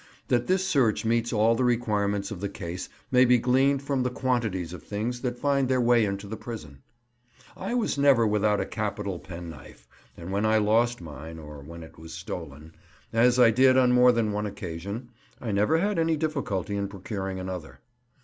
That this search meets all the requirements of the case may be gleaned from the quantities of things that find their way into the prison. I was never without a capital pen knife, and when I lost mine (or when it was stolen), as I did on more than one occasion, I never had any difficulty in procuring another.